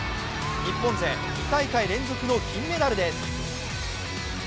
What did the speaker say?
日本勢２大会連続の金メダルです。